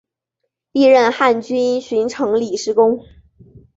历任汉军巡城理事官。